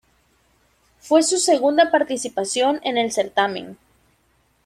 Fue su segunda participación en el certamen.